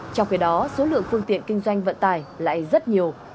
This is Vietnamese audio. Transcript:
trong khi đó số lượng phương tiện kinh doanh vận tải lại rất nhiều